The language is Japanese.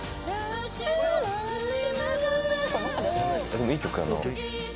でもいい曲だな。